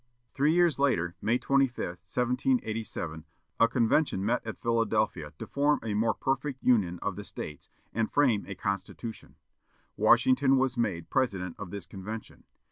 Three years later May 25, 1787 a convention met at Philadelphia to form a more perfect union of the States, and frame a Constitution. Washington was made President of this convention.